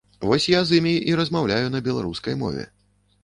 Вось я з імі і размаўляю на беларускай мове.